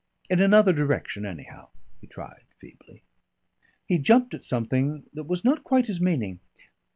"In another direction, anyhow," he tried feebly. He jumped at something that was not quite his meaning.